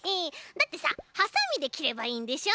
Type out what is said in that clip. だってさはさみできればいいんでしょ？